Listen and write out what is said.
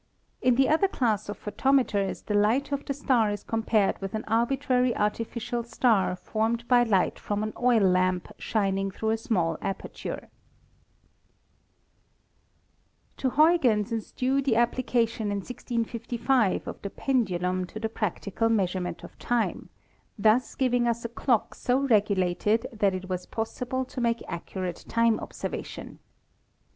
In the other class of photometers the light of the star is compared with an arbitrary artificial star formed by light from an oil lamp shining through a small aperture. To Huygens is due the application in 1655 of the pen dulum to the practical measurement of time, thus giving us a clock so regulated that it was possible to make ac METHODS OF OBSERVATION 25 citrate time observations.